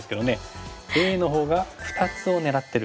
Ａのほうが２つを狙ってる。